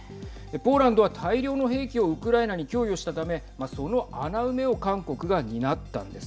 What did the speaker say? ポーランドは大量の兵器をウクライナに供与したためその穴埋めを韓国が担ったんです。